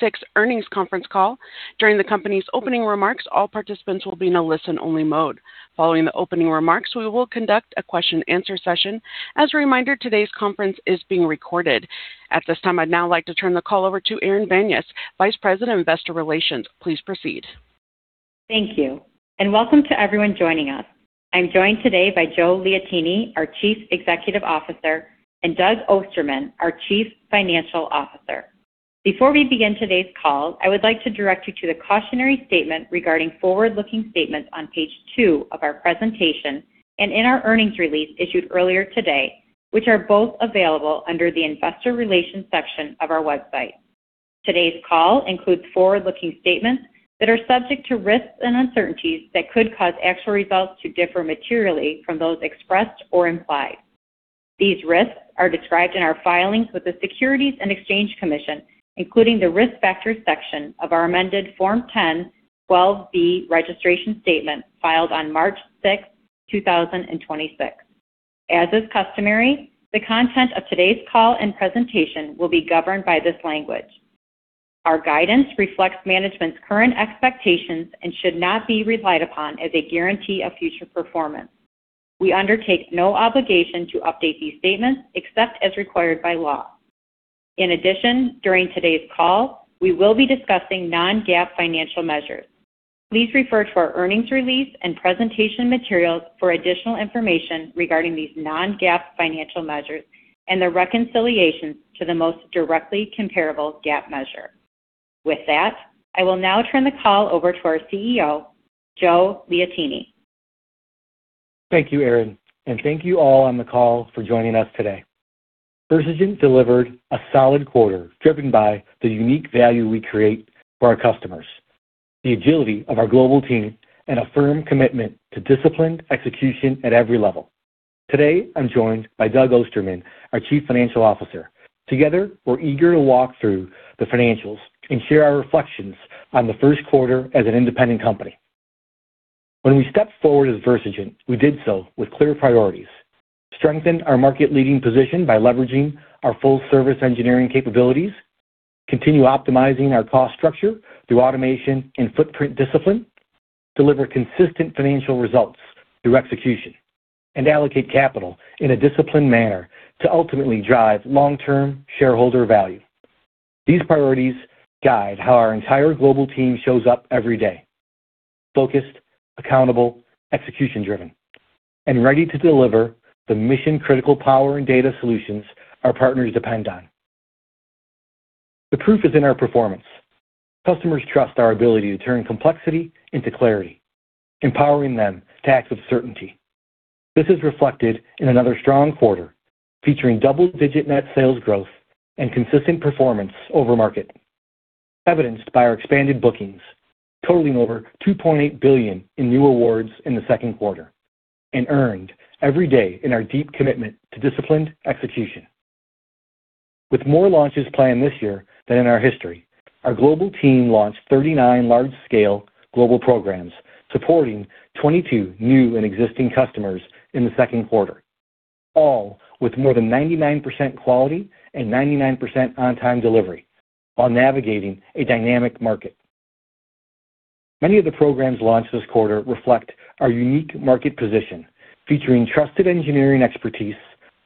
Six earnings conference call. During the company's opening remarks, all participants will be in a listen-only mode. Following the opening remarks, we will conduct a question and answer session. As a reminder, today's conference is being recorded. At this time, I'd now like to turn the call over to Erin Banyas, Vice President of Investor Relations. Please proceed. Thank you. Welcome to everyone joining us. I'm joined today by Joe Liotine, our Chief Executive Officer, and Doug Ostermann, our Chief Financial Officer. Before we begin today's call, I would like to direct you to the cautionary statement regarding forward-looking statements on page two of our presentation and in our earnings release issued earlier today, which are both available under the investor relations section of our website. Today's call includes forward-looking statements that are subject to risks and uncertainties that could cause actual results to differ materially from those expressed or implied. These risks are described in our filings with the Securities and Exchange Commission, including the Risk Factors section of our amended Form 10-12B registration statement filed on March 6, 2026. As is customary, the content of today's call and presentation will be governed by this language. Our guidance reflects management's current expectations and should not be relied upon as a guarantee of future performance. We undertake no obligation to update these statements except as required by law. In addition, during today's call, we will be discussing non-GAAP financial measures. Please refer to our earnings release and presentation materials for additional information regarding these non-GAAP financial measures and their reconciliations to the most directly comparable GAAP measure. With that, I will now turn the call over to our CEO, Joe Liotine. Thank you, Erin. Thank you all on the call for joining us today. Versigent delivered a solid quarter, driven by the unique value we create for our customers, the agility of our global team, and a firm commitment to disciplined execution at every level. Today, I'm joined by Doug Ostermann, our Chief Financial Officer. Together, we're eager to walk through the financials and share our reflections on the first quarter as an independent company. When we stepped forward as Versigent, we did so with clear priorities: strengthen our market-leading position by leveraging our full-service engineering capabilities, continue optimizing our cost structure through automation and footprint discipline, deliver consistent financial results through execution, and allocate capital in a disciplined manner to ultimately drive long-term shareholder value. These priorities guide how our entire global team shows up every day: focused, accountable, execution-driven, and ready to deliver the mission-critical power and data solutions our partners depend on. The proof is in our performance. Customers trust our ability to turn complexity into clarity, empowering them to act with certainty. This is reflected in another strong quarter, featuring double-digit net sales growth and consistent performance over market, evidenced by our expanded bookings totaling over $2.8 billion in new awards in the second quarter and earned every day in our deep commitment to disciplined execution. With more launches planned this year than in our history, our global team launched 39 large-scale global programs supporting 22 new and existing customers in the second quarter, all with more than 99% quality and 99% on-time delivery while navigating a dynamic market. Many of the programs launched this quarter reflect our unique market position, featuring trusted engineering expertise,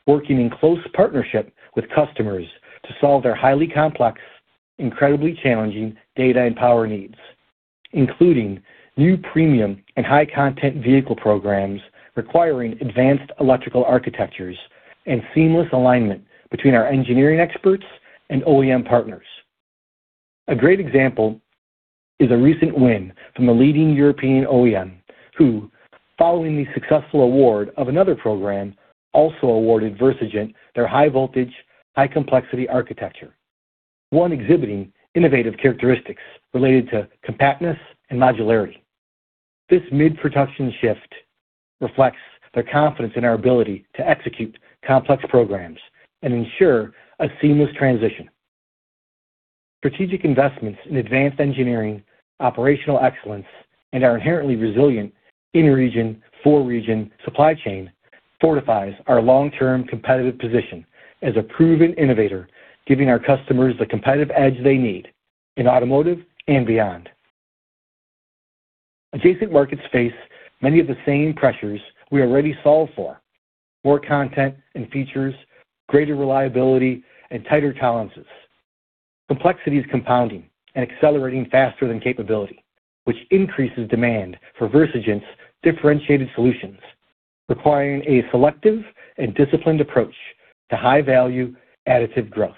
working in close partnership with customers to solve their highly complex, incredibly challenging data and power needs, including new premium and high-content vehicle programs requiring advanced electrical architectures and seamless alignment between our engineering experts and OEM partners. A great example is a recent win from a leading European OEM who, following the successful award of another program, also awarded Versigent their high-voltage, high-complexity architecture, one exhibiting innovative characteristics related to compactness and modularity. This mid-production shift reflects their confidence in our ability to execute complex programs and ensure a seamless transition. Strategic investments in advanced engineering, operational excellence, and our inherently resilient in-region, for-region supply chain fortifies our long-term competitive position as a proven innovator, giving our customers the competitive edge they need in automotive and beyond. Adjacent markets face many of the same pressures we already solve for: more content and features, greater reliability, and tighter tolerances. Complexity is compounding and accelerating faster than capability, which increases demand for Versigent's differentiated solutions, requiring a selective and disciplined approach to high-value additive growth.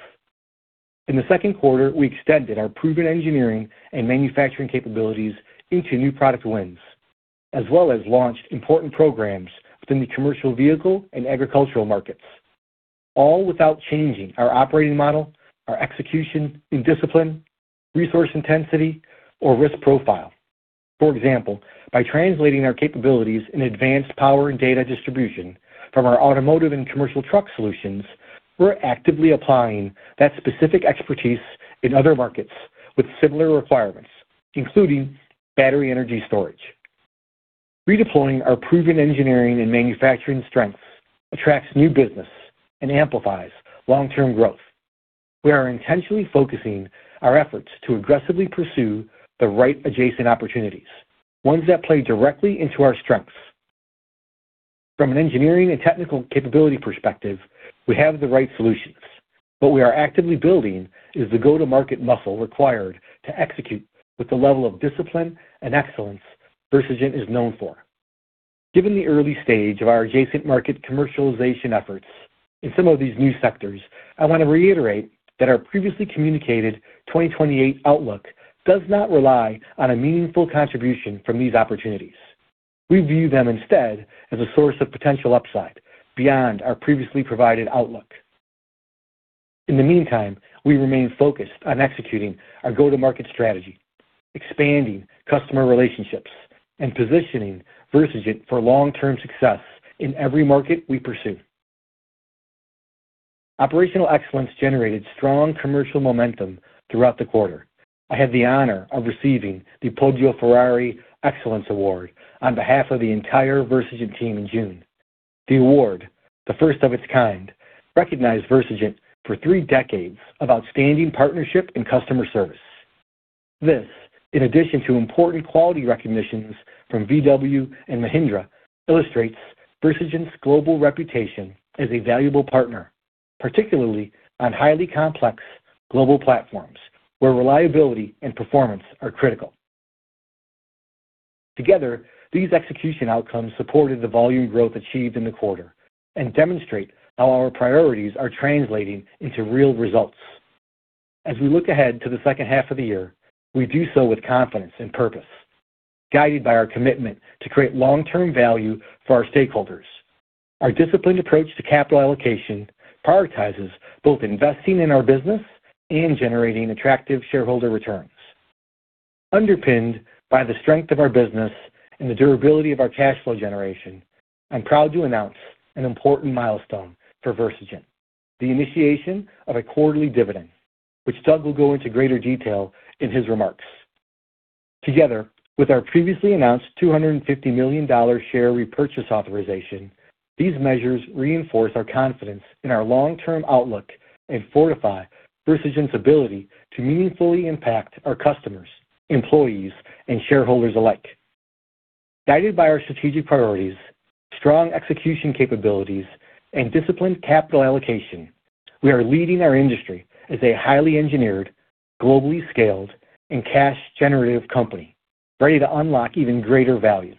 In the second quarter, we extended our proven engineering and manufacturing capabilities into new product wins, as well as launched important programs within the commercial vehicle and agricultural markets, all without changing our operating model, our execution discipline, resource intensity, or risk profile. For example, by translating our capabilities in advanced power and data distribution from our automotive and commercial truck solutions, we're actively applying that specific expertise in other markets with similar requirements, including battery energy storage Redeploying our proven engineering and manufacturing strengths attracts new business and amplifies long-term growth. We are intentionally focusing our efforts to aggressively pursue the right adjacent opportunities, ones that play directly into our strengths. From an engineering and technical capability perspective, we have the right solutions. What we are actively building is the go-to-market muscle required to execute with the level of discipline and excellence Versigent is known for. Given the early stage of our adjacent market commercialization efforts in some of these new sectors, I want to reiterate that our previously communicated 2028 outlook does not rely on a meaningful contribution from these opportunities. We view them instead as a source of potential upside beyond our previously provided outlook. In the meantime, we remain focused on executing our go-to-market strategy, expanding customer relationships, and positioning Versigent for long-term success in every market we pursue. Operational excellence generated strong commercial momentum throughout the quarter. I had the honor of receiving the Podio Ferrari Excellence Award on behalf of the entire Versigent team in June. The award, the first of its kind, recognized Versigent for three decades of outstanding partnership and customer service. This, in addition to important quality recognitions from VW and Mahindra, illustrates Versigent's global reputation as a valuable partner, particularly on highly complex global platforms where reliability and performance are critical. Together, these execution outcomes supported the volume growth achieved in the quarter and demonstrate how our priorities are translating into real results. As we look ahead to the second half of the year, we do so with confidence and purpose, guided by our commitment to create long-term value for our stakeholders. Our disciplined approach to capital allocation prioritizes both investing in our business and generating attractive shareholder returns. Underpinned by the strength of our business and the durability of our cash flow generation, I'm proud to announce an important milestone for Versigent, the initiation of a quarterly dividend, which Doug will go into greater detail in his remarks. Together, with our previously announced $250 million share repurchase authorization, these measures reinforce our confidence in our long-term outlook and fortify Versigent's ability to meaningfully impact our customers, employees, and shareholders alike. Guided by our strategic priorities, strong execution capabilities, and disciplined capital allocation, we are leading our industry as a highly engineered, globally scaled, and cash-generative company, ready to unlock even greater value.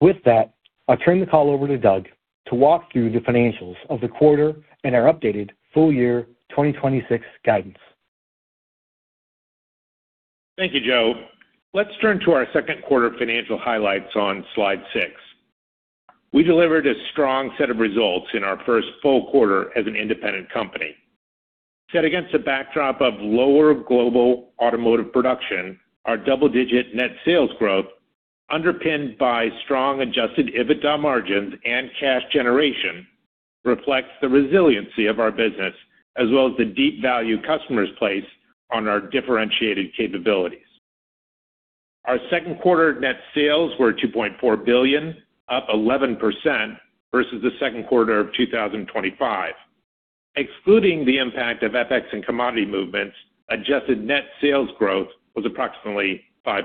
With that, I'll turn the call over to Doug to walk through the financials of the quarter and our updated full year 2026 guidance. Thank you, Joe. Let's turn to our second quarter financial highlights on Slide Six. We delivered a strong set of results in our first full quarter as an independent company. Set against a backdrop of lower global automotive production, our double-digit net sales growth, underpinned by strong adjusted EBITDA margins and cash generation, reflects the resiliency of our business, as well as the deep value customers place on our differentiated capabilities. Our second quarter net sales were $2.4 billion, up 11% versus the second quarter of 2025. Excluding the impact of FX and commodity movements, adjusted net sales growth was approximately 5%.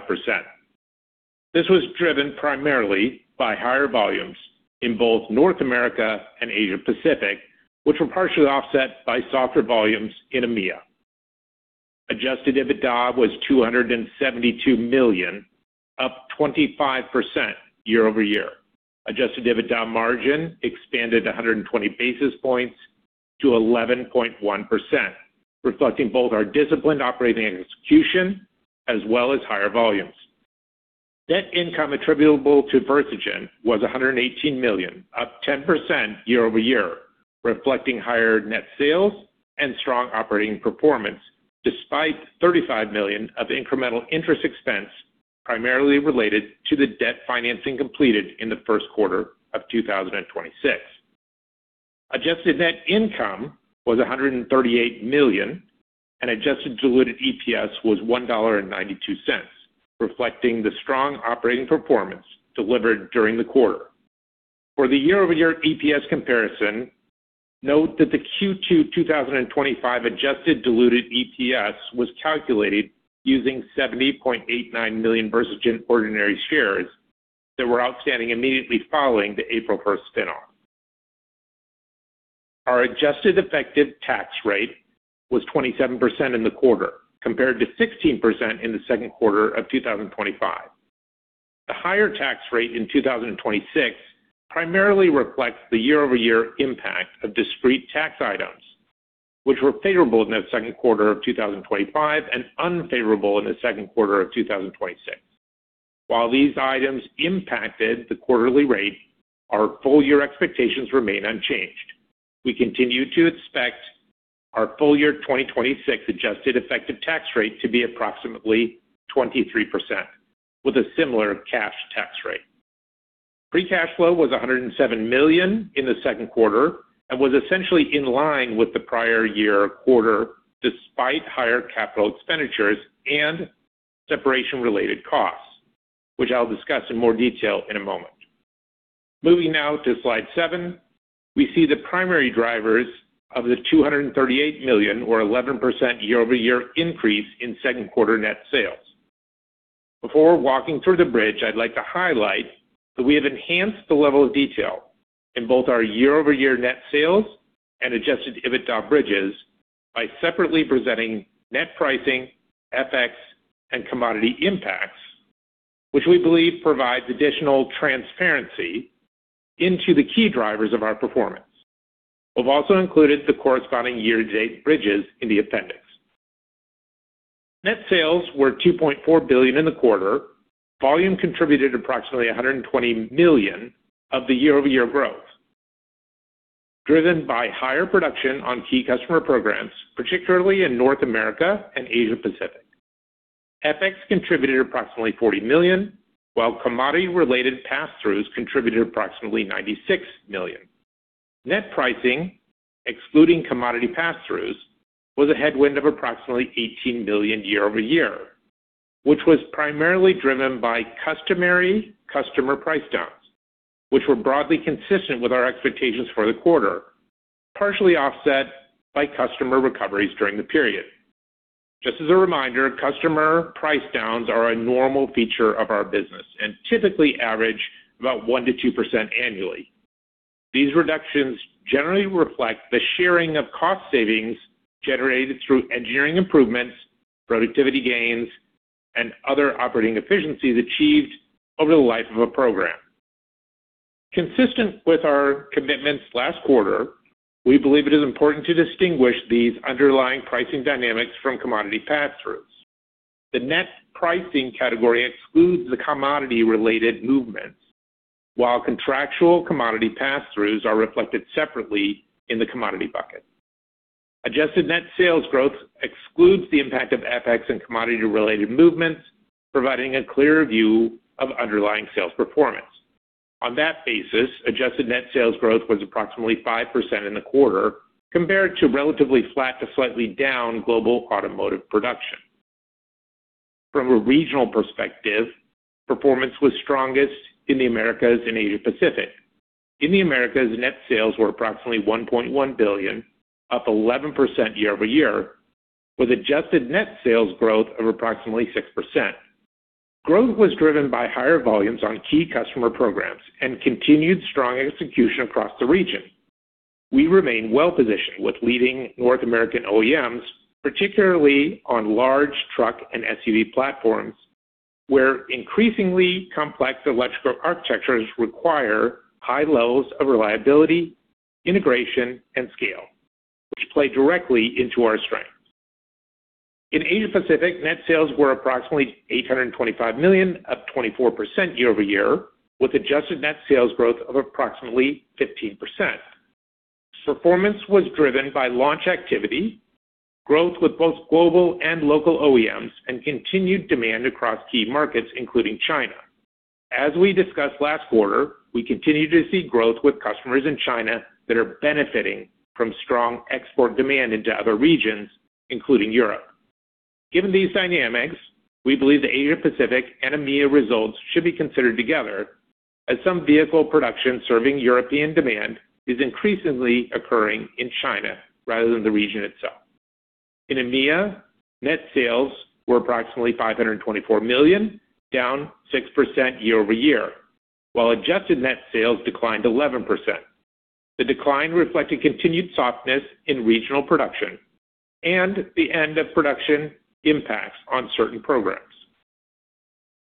This was driven primarily by higher volumes in both North America and Asia-Pacific, which were partially offset by softer volumes in EMEA. Adjusted EBITDA was $272 million, up 25% year-over-year. Adjusted EBITDA margin expanded 120 basis points to 11.1%, reflecting both our disciplined operating execution as well as higher volumes. Net income attributable to Versigent was $118 million, up 10% year-over-year, reflecting higher net sales and strong operating performance, despite $35 million of incremental interest expense primarily related to the debt financing completed in the first quarter of 2026. Adjusted net income was $138 million, and adjusted diluted EPS was $1.92, reflecting the strong operating performance delivered during the quarter. For the year-over-year EPS comparison, note that the Q2 2025 adjusted diluted EPS was calculated using 70.89 million Versigent ordinary shares that were outstanding immediately following the April 1st spin-off. Our adjusted effective tax rate was 27% in the quarter, compared to 16% in the second quarter of 2025. The higher tax rate in 2026 primarily reflects the year-over-year impact of discrete tax items, which were favorable in the second quarter of 2025 and unfavorable in the second quarter of 2026. While these items impacted the quarterly rate, our full year expectations remain unchanged. We continue to expect our full year 2026 adjusted effective tax rate to be approximately 23%, with a similar cash tax rate. Free cash flow was $107 million in the second quarter and was essentially in line with the prior year quarter, despite higher capital expenditures and separation-related costs, which I'll discuss in more detail in a moment. Moving now to slide seven, we see the primary drivers of the $238 million, or 11% year-over-year increase in second quarter net sales. Before walking through the bridge, I'd like to highlight that we have enhanced the level of detail in both our year-over-year net sales and adjusted EBITDA bridges by separately presenting net pricing, FX, and commodity impacts, which we believe provides additional transparency into the key drivers of our performance. We've also included the corresponding year-to-date bridges in the appendix. Net sales were $2.4 billion in the quarter. Volume contributed approximately $120 million of the year-over-year growth, driven by higher production on key customer programs, particularly in North America and Asia Pacific. FX contributed approximately $40 million, while commodity-related pass-throughs contributed approximately $96 million. Net pricing, excluding commodity pass-throughs, was a headwind of approximately $18 million year-over-year, which was primarily driven by customary customer price downs, which were broadly consistent with our expectations for the quarter, partially offset by customer recoveries during the period. Just as a reminder, customer price downs are a normal feature of our business and typically average about 1%-2% annually. These reductions generally reflect the sharing of cost savings generated through engineering improvements, productivity gains, and other operating efficiencies achieved over the life of a program. Consistent with our commitments last quarter, we believe it is important to distinguish these underlying pricing dynamics from commodity pass-throughs. The net pricing category excludes the commodity-related movements, while contractual commodity pass-throughs are reflected separately in the commodity bucket. Adjusted net sales growth excludes the impact of FX and commodity-related movements, providing a clear view of underlying sales performance. On that basis, adjusted net sales growth was approximately 5% in the quarter compared to relatively flat to slightly down global automotive production. From a regional perspective, performance was strongest in the Americas and Asia Pacific. In the Americas, net sales were approximately $1.1 billion, up 11% year-over-year, with adjusted net sales growth of approximately 6%. Growth was driven by higher volumes on key customer programs and continued strong execution across the region. We remain well-positioned with leading North American OEMs, particularly on large truck and SUV platforms, where increasingly complex electrical architectures require high levels of reliability, integration, and scale, which play directly into our strengths. In Asia Pacific, net sales were approximately $825 million, up 24% year-over-year, with adjusted net sales growth of approximately 15%. Performance was driven by launch activity, growth with both global and local OEMs, and continued demand across key markets, including China. As we discussed last quarter, we continue to see growth with customers in China that are benefiting from strong export demand into other regions, including Europe. Given these dynamics, we believe the Asia Pacific and EMEA results should be considered together as some vehicle production serving European demand is increasingly occurring in China rather than the region itself. In EMEA, net sales were approximately $524 million, down 6% year-over-year, while adjusted net sales declined 11%. The decline reflected continued softness in regional production and the end-of-production impacts on certain programs.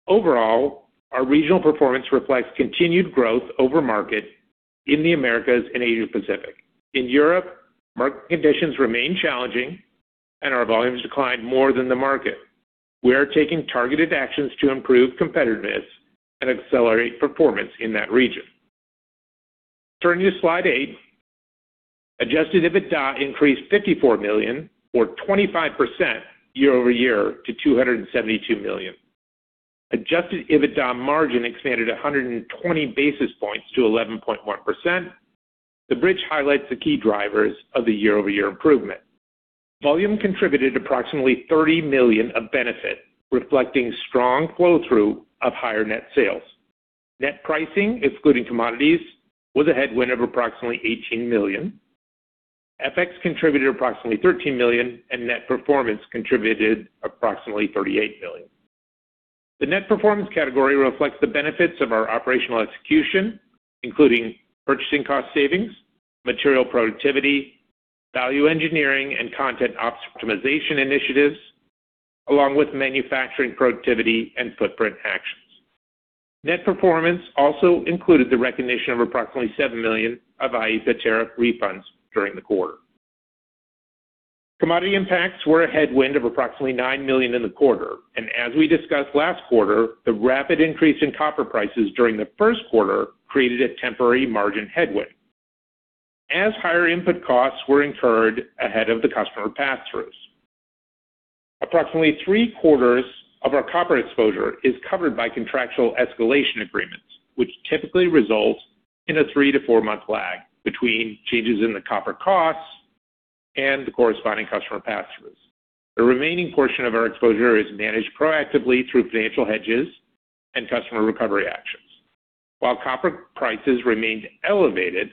Overall, our regional performance reflects continued growth over market in the Americas and Asia Pacific. In Europe, market conditions remain challenging, and our volumes declined more than the market. We are taking targeted actions to improve competitiveness and accelerate performance in that region. Turning to slide eight, adjusted EBITDA increased $54 million or 25% year-over-year to $272 million. Adjusted EBITDA margin expanded 120 basis points to 11.1%. The bridge highlights the key drivers of the year-over-year improvement. Volume contributed approximately $30 million of benefit, reflecting strong flow-through of higher net sales. Net pricing, excluding commodities, was a headwind of approximately $18 million. FX contributed approximately $13 million, and net performance contributed approximately $38 million. The net performance category reflects the benefits of our operational execution, including purchasing cost savings, material productivity, value engineering, and content optimization initiatives, along with manufacturing productivity and footprint actions. Net performance also included the recognition of approximately $7 million of IEEPA tariff refunds during the quarter. Commodity impacts were a headwind of approximately $9 million in the quarter. As we discussed last quarter, the rapid increase in copper prices during the first quarter created a temporary margin headwind as higher input costs were incurred ahead of the customer pass-throughs. Approximately three-quarters of our copper exposure is covered by contractual escalation agreements, which typically result in a three to four-month lag between changes in the copper costs and the corresponding customer pass-throughs. The remaining portion of our exposure is managed proactively through financial hedges and customer recovery actions. While copper prices remained elevated,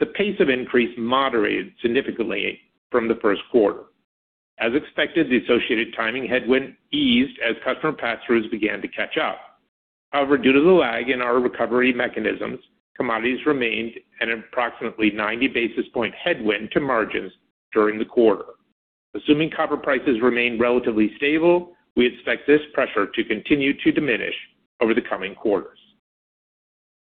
the pace of increase moderated significantly from the first quarter. As expected, the associated timing headwind eased as customer pass-throughs began to catch up. However, due to the lag in our recovery mechanisms, commodities remained an approximately 90 basis point headwind to margins during the quarter. Assuming copper prices remain relatively stable, we expect this pressure to continue to diminish over the coming quarters.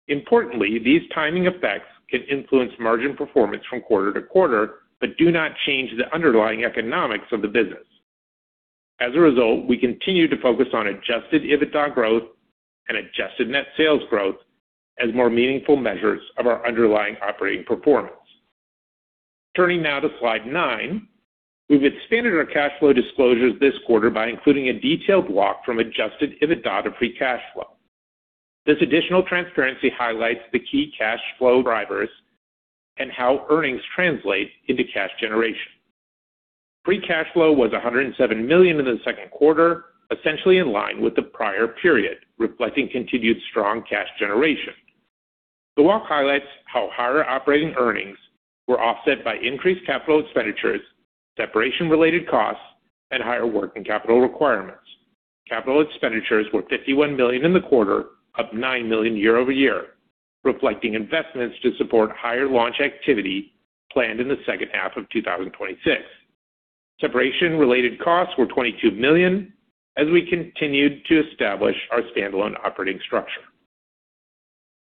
Importantly, these timing effects can influence margin performance from quarter-to-quarter, but do not change the underlying economics of the business. As a result, we continue to focus on adjusted EBITDA growth and adjusted net sales growth as more meaningful measures of our underlying operating performance. Turning now to slide nine, we've expanded our cash flow disclosures this quarter by including a detailed walk from adjusted EBITDA to free cash flow. This additional transparency highlights the key cash flow drivers and how earnings translate into cash generation. Free cash flow was $107 million in the second quarter, essentially in line with the prior period, reflecting continued strong cash generation. The walk highlights how higher operating earnings were offset by increased capital expenditures, separation-related costs, and higher working capital requirements. Capital expenditures were $51 million in the quarter, up $9 million year-over-year, reflecting investments to support higher launch activity planned in the second half of 2026. Separation-related costs were $22 million as we continued to establish our standalone operating structure.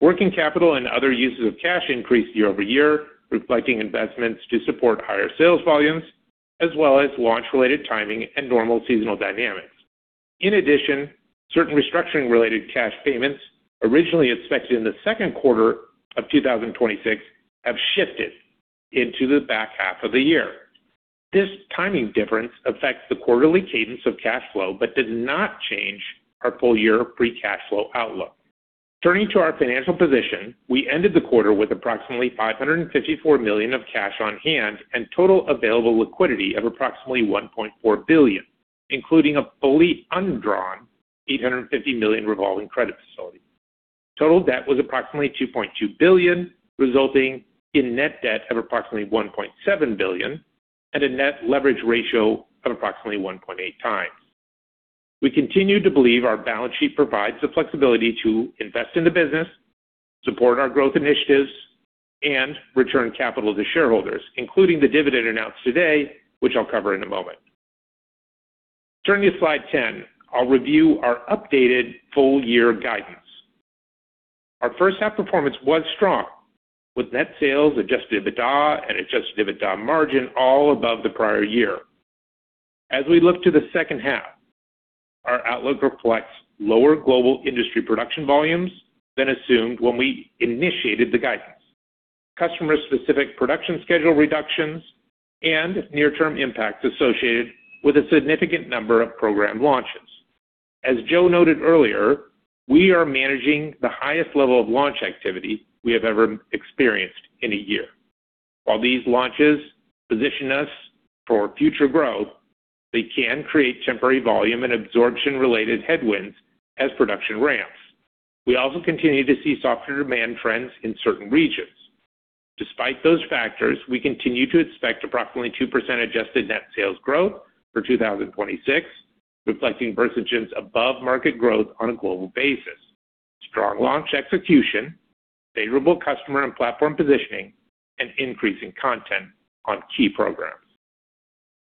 Working capital and other uses of cash increased year-over-year, reflecting investments to support higher sales volumes as well as launch-related timing and normal seasonal dynamics. In addition, certain restructuring-related cash payments originally expected in the second quarter of 2026 have shifted into the back half of the year. This timing difference affects the quarterly cadence of cash flow, but does not change our full-year free cash flow outlook. Turning to our financial position, we ended the quarter with approximately $554 million of cash on hand and total available liquidity of approximately $1.4 billion, including a fully undrawn $850 million revolving credit facility. Total debt was approximately $2.2 billion, resulting in net debt of approximately $1.7 billion and a net leverage ratio of approximately 1.8x. We continue to believe our balance sheet provides the flexibility to invest in the business, support our growth initiatives, and return capital to shareholders, including the dividend announced today, which I'll cover in a moment. Turning to slide 10, I'll review our updated full-year guidance. Our first half performance was strong, with net sales, adjusted EBITDA, and adjusted EBITDA margin all above the prior year. As we look to the second half, our outlook reflects lower global industry production volumes than assumed when we initiated the guidance. Customer-specific production schedule reductions and near-term impacts associated with a significant number of program launches. As Joe noted earlier, we are managing the highest level of launch activity we have ever experienced in a year. While these launches position us for future growth, they can create temporary volume and absorption-related headwinds as production ramps. We also continue to see softer demand trends in certain regions. Despite those factors, we continue to expect approximately 2% adjusted net sales growth for 2026, reflecting Versigent's above-market growth on a global basis, strong launch execution, favorable customer and platform positioning, and increasing content on key programs.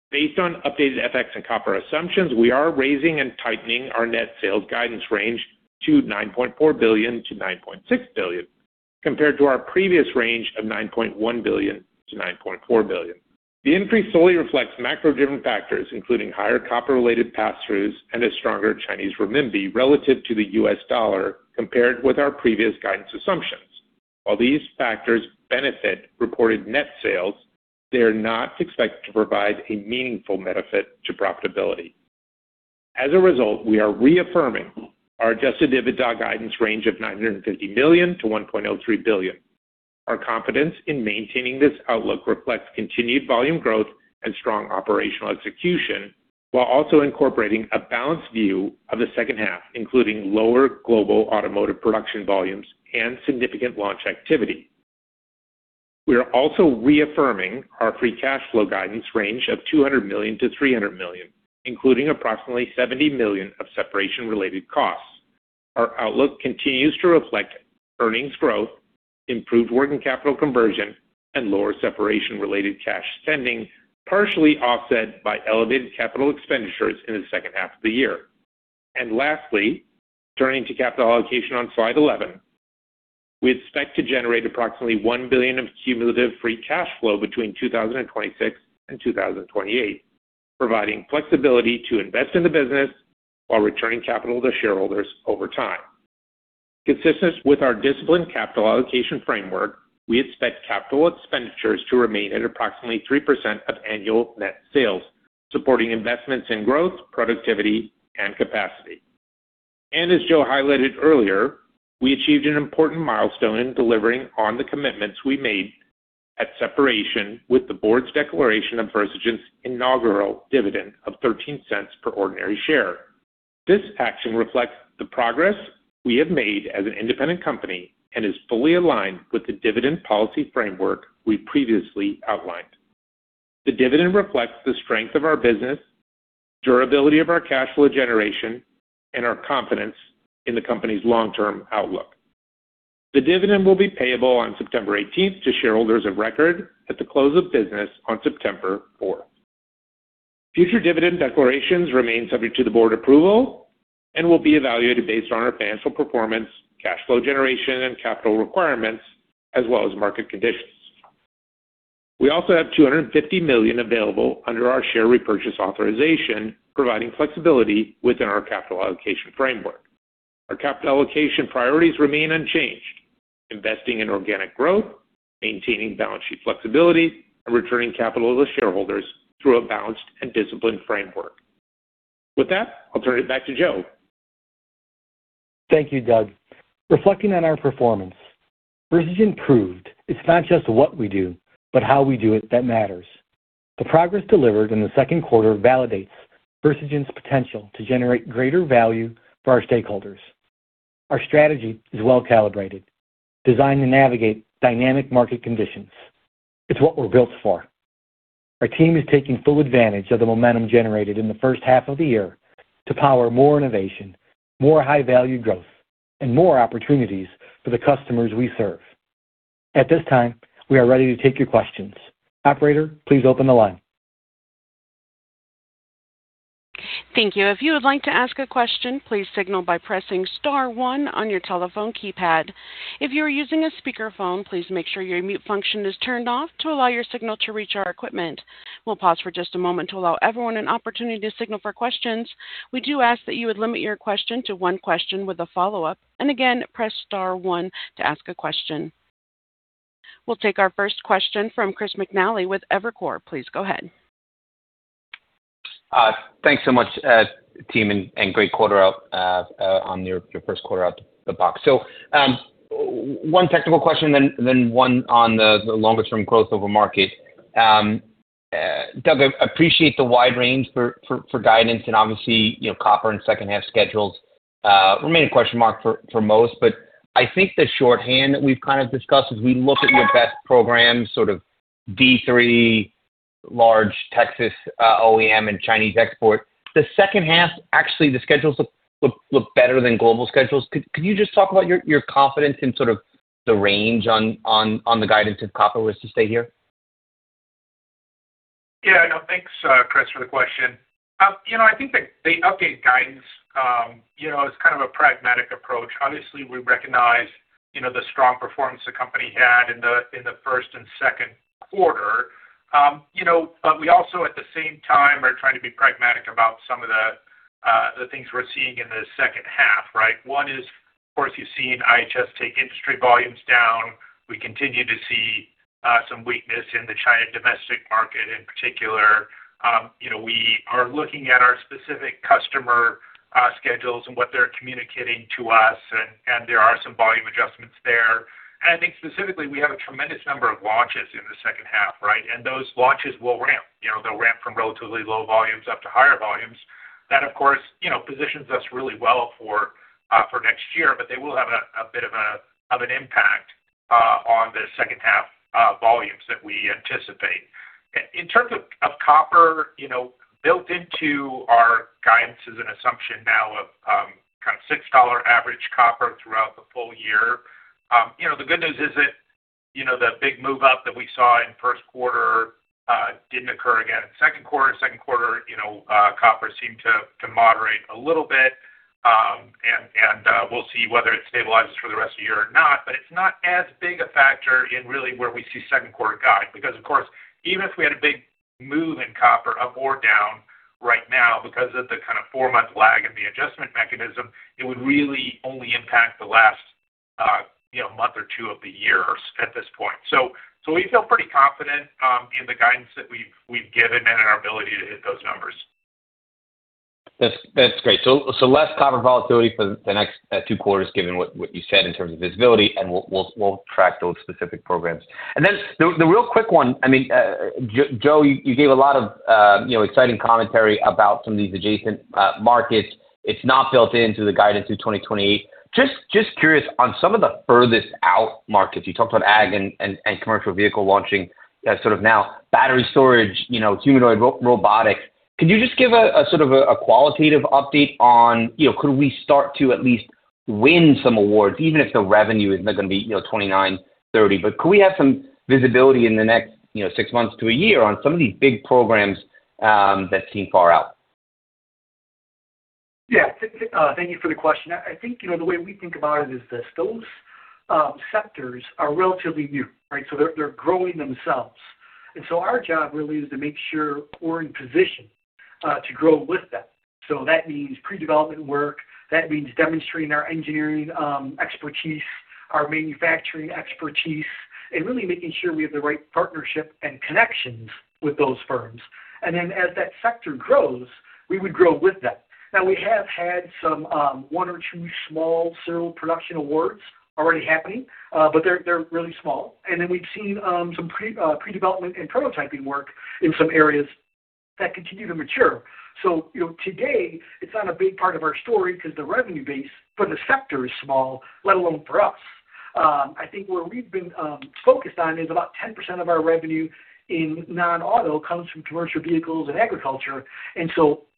Based on updated FX and copper assumptions, we are raising and tightening our net sales guidance range to $9.4 billion-$9.6 billion, compared to our previous range of $9.1 billion-$9.4 billion. The increase solely reflects macro-driven factors, including higher copper-related pass-throughs and a stronger Chinese renminbi relative to the U.S. dollar compared with our previous guidance assumptions. While these factors benefit reported net sales, they are not expected to provide a meaningful benefit to profitability. As a result, we are reaffirming our adjusted EBITDA guidance range of $950 million-$1.03 billion. Our confidence in maintaining this outlook reflects continued volume growth and strong operational execution, while also incorporating a balanced view of the second half, including lower global automotive production volumes and significant launch activity. We are also reaffirming our free cash flow guidance range of $200 million-$300 million, including approximately $70 million of separation-related costs. Our outlook continues to reflect earnings growth, improved working capital conversion, and lower separation-related cash spending, partially offset by elevated capital expenditures in the second half of the year. Lastly, turning to capital allocation on slide 11, we expect to generate approximately $1 billion of cumulative free cash flow between 2026 and 2028, providing flexibility to invest in the business while returning capital to shareholders over time. Consistent with our disciplined capital allocation framework, we expect capital expenditures to remain at approximately 3% of annual net sales, supporting investments in growth, productivity, and capacity. As Joe highlighted earlier, we achieved an important milestone in delivering on the commitments we made at separation with the Board's declaration of Versigent's inaugural dividend of $0.13 per ordinary share. This action reflects the progress we have made as an independent company and is fully aligned with the dividend policy framework we previously outlined. The dividend reflects the strength of our business, durability of our cash flow generation, and our confidence in the company's long-term outlook. The dividend will be payable on September 18th to shareholders of record at the close of business on September 4th. Future dividend declarations remain subject to the board approval and will be evaluated based on our financial performance, cash flow generation, and capital requirements, as well as market conditions. We also have $250 million available under our share repurchase authorization, providing flexibility within our capital allocation framework. Our capital allocation priorities remain unchanged: investing in organic growth, maintaining balance sheet flexibility, and returning capital to shareholders through a balanced and disciplined framework. With that, I'll turn it back to Joe. Thank you, Doug. Reflecting on our performance, Versigent proved it's not just what we do, but how we do it that matters. The progress delivered in the second quarter validates Versigent's potential to generate greater value for our stakeholders. Our strategy is well-calibrated, designed to navigate dynamic market conditions. It's what we're built for. Our team is taking full advantage of the momentum generated in the first half of the year to power more innovation, more high-value growth, and more opportunities for the customers we serve. At this time, we are ready to take your questions. Operator, please open the line. Thank you. If you would like to ask a question, please signal by pressing star one on your telephone keypad. If you are using a speakerphone, please make sure your mute function is turned off to allow your signal to reach our equipment. We'll pause for just a moment to allow everyone an opportunity to signal for questions. We do ask that you would limit your question to one question with a follow-up, and again, press star one to ask a question. We'll take our first question from Chris McNally with Evercore. Please go ahead. Thanks so much, team. Great quarter out on your first quarter out the box. One technical question then one on the longest term growth over market. Doug, I appreciate the wide range for guidance and obviously copper and second half schedules remain a question mark for most, but I think the shorthand that we've kind of discussed as we look at your best programs, sort of D3, large Texas OEM, Chinese export. The second half, actually the schedules look better than global schedules. Could you just talk about your confidence in sort of the range on the guidance if copper was to stay here? Yeah, no. Thanks, Chris, for the question. I think the updated guidance is kind of a pragmatic approach. Obviously, we recognize the strong performance the company had in the first and second quarter. We also at the same time are trying to be pragmatic about some of the things we're seeing in the second half, right? One is, of course, you've seen IHS take industry volumes down. We continue to see some weakness in the China domestic market in particular. We are looking at our specific customer schedules and what they're communicating to us, and there are some volume adjustments there. I think specifically, we have a tremendous number of launches in the second half, right? Those launches will ramp. They'll ramp from relatively low volumes up to higher volumes. That, of course, positions us really well for next year, but they will have a bit of an impact on the second half volumes that we anticipate. In terms of copper, built into our guidance is an assumption now of kind of $6 average copper throughout the full year. The good news is that the big move up that we saw in first quarter didn't occur again in second quarter. Second quarter copper seemed to moderate a little bit. We'll see whether it stabilizes for the rest of the year or not. It's not as big a factor in really where we see second quarter guide. Because, of course, even if we had a big move in copper up or down right now because of the kind of four-month lag in the adjustment mechanism, it would really only impact the last month or two of the year at this point. We feel pretty confident in the guidance that we've given and in our ability to hit those numbers. That's great. Less copper volatility for the next two quarters, given what you said in terms of visibility, and we'll track those specific programs. The real quick one, Joe, you gave a lot of exciting commentary about some of these adjacent markets. It's not built into the guidance through 2028. Just curious on some of the furthest out markets. You talked about ag and commercial vehicle launching as sort of now battery storage, humanoid robotics. Could you just give a sort of a qualitative update on could we start to at least win some awards, even if the revenue is not going to be 2029, 2030? Could we have some visibility in the next six months to a year on some of these big programs that seem far out? Yeah. Thank you for the question. I think the way we think about it is this. Those sectors are relatively new, right? They're growing themselves. Our job really is to make sure we're in position To grow with them. That means pre-development work, that means demonstrating our engineering expertise, our manufacturing expertise, and really making sure we have the right partnership and connections with those firms. As that sector grows, we would grow with them. Now we have had one or two small serial production awards already happening, they're really small. We've seen some pre-development and prototyping work in some areas that continue to mature. Today it's not a big part of our story because the revenue base for the sector is small, let alone for us. I think where we've been focused on is about 10% of our revenue in non-auto comes from commercial vehicles and agriculture,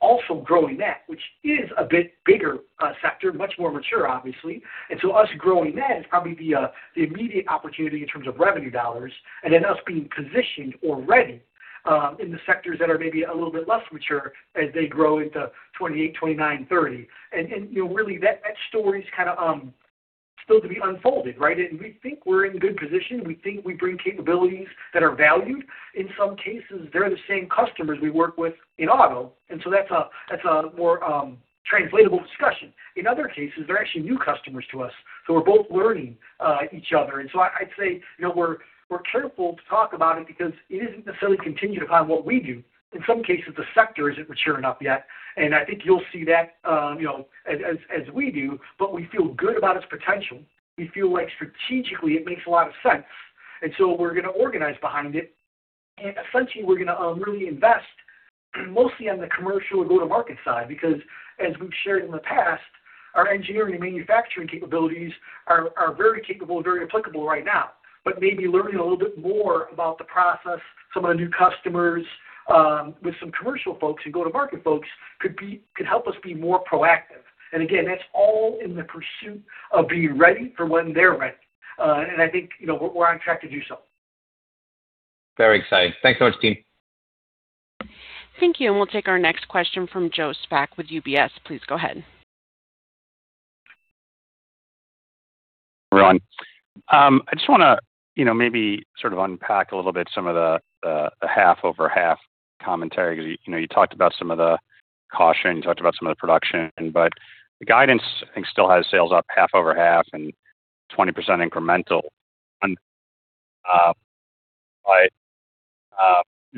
also growing that, which is a bit bigger sector, much more mature, obviously. Us growing that is probably the immediate opportunity in terms of revenue dollars and then us being positioned or ready in the sectors that are maybe a little bit less mature as they grow into 2028, 2029, 2030. Really that story is still to be unfolded, right? We think we're in a good position. We think we bring capabilities that are valued. In some cases, they're the same customers we work with in auto, that's a more translatable discussion. In other cases, they're actually new customers to us. We're both learning each other. I'd say we're careful to talk about it because it isn't necessarily contingent upon what we do. In some cases, the sector isn't mature enough yet, and I think you'll see that as we do, we feel good about its potential. We feel like strategically it makes a lot of sense, we're going to organize behind it. Essentially, we're going to really invest mostly on the commercial and go-to-market side because as we've shared in the past, our engineering and manufacturing capabilities are very capable and very applicable right now. Maybe learning a little bit more about the process, some of the new customers with some commercial folks and go-to-market folks could help us be more proactive. Again, that's all in the pursuit of being ready for when they're ready. I think we're on track to do so. Very exciting. Thanks so much, team. Thank you. We'll take our next question from Joe Spak with UBS. Please go ahead. We are on. I just want to maybe sort of unpack a little bit some of the half-over-half commentary, because you talked about some of the caution, you talked about some of the production, the guidance I think still has sales up half over half and 20% incremental.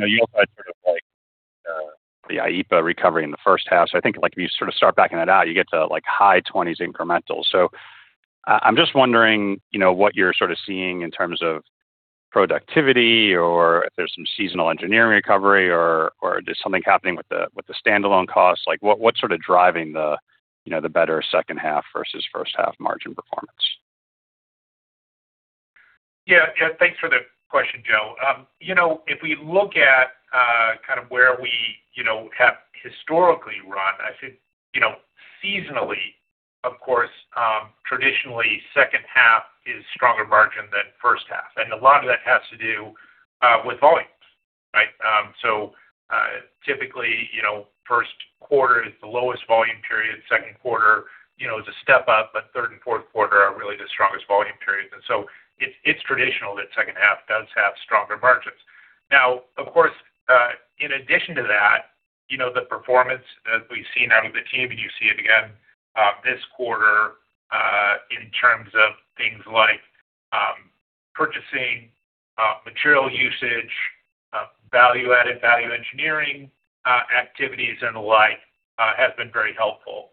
You also had the IEEPA recovery in the first half. I think if you start backing that out, you get to high 20s incremental. I'm just wondering what you're sort of seeing in terms of productivity or if there's some seasonal engineering recovery or just something happening with the standalone costs. What's sort of driving the better second half versus first half margin performance? Thanks for the question, Joe. If we look at kind of where we have historically run, I think seasonally, of course, traditionally second half is stronger margin than first half. A lot of that has to do with volumes, right? Typically, first quarter is the lowest volume period. Second quarter is a step up, but third and fourth quarter are really the strongest volume periods. It's traditional that second half does have stronger margins. Now, of course, in addition to that, the performance that we've seen out of the team, and you see it again this quarter in terms of things like purchasing, material usage, value added, value engineering activities and the like have been very helpful.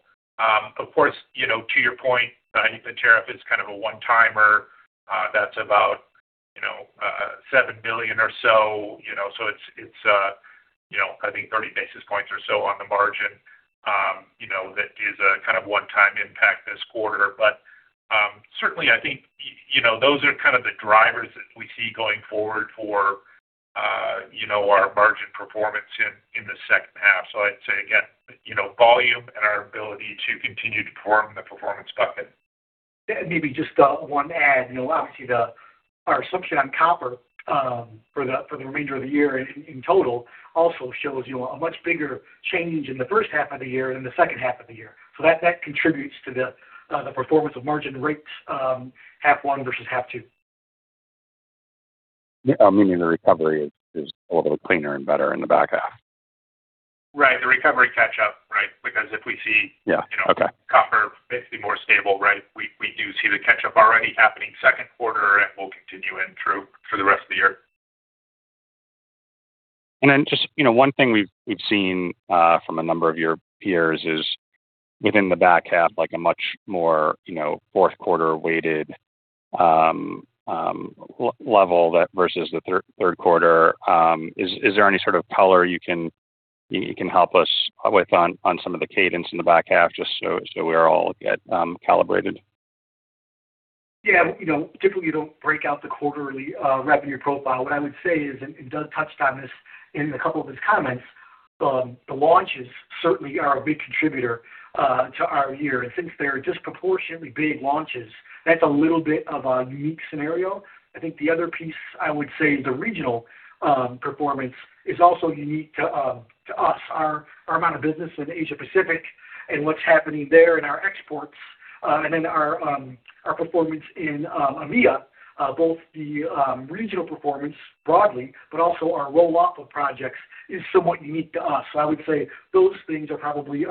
Of course, to your point, the tariff is kind of a one-timer that's about $7 million or so. It's I think 30 basis points or so on the margin that is a kind of one-time impact this quarter. Certainly I think those are kind of the drivers that we see going forward for our margin performance in the second half. I'd say again, volume and our ability to continue to perform in the performance bucket. Maybe just one add. Obviously our assumption on copper for the remainder of the year in total also shows a much bigger change in the first half of the year than the second half of the year. That contributes to the performance of margin rates half one versus half two. Meaning the recovery is a little cleaner and better in the back half. Right. The recovery catch-up, right? Yeah. Okay. Copper basically more stable, right? We do see the catch-up already happening second quarter, and will continue in through the rest of the year. Just one thing we've seen from a number of your peers is within the back half, like a much more fourth quarter weighted level versus the third quarter. Is there any sort of color you can help us with on some of the cadence in the back half just so we're all calibrated? Yeah. Typically, you don't break out the quarterly revenue profile. What I would say is, Doug touched on this in a couple of his comments, the launches certainly are a big contributor to our year. Since they are disproportionately big launches, that's a little bit of a unique scenario. I think the other piece I would say is the regional performance is also unique to us. Our amount of business in Asia Pacific and what's happening there in our exports, then our performance in EMEA, both the regional performance broadly, but also our roll-off of projects is somewhat unique to us. I would say those things are probably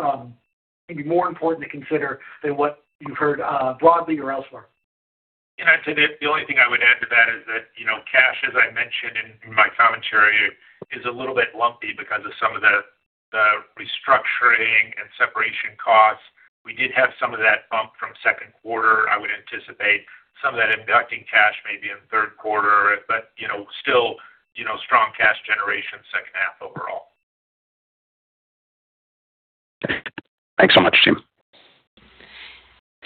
maybe more important to consider than what you've heard broadly or elsewhere. I'd say that the only thing I would add to that is that, cash, as I mentioned in my commentary, is a little bit lumpy because of some of the restructuring and separation costs. We did have some of that bump from second quarter. I would anticipate some of that inducting cash may be in the third quarter, but still strong cash generation second half overall. Okay. Thanks so much, team.